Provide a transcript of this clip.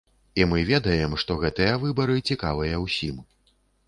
І мы ведаем, што гэтыя выбары цікавыя ўсім.